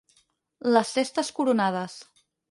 Les testes coronades.